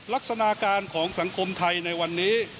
ลักษณะการของสังคมไทยในวันนี้